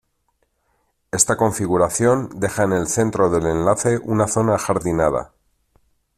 Esta configuración deja en el centro del enlace una zona ajardinada.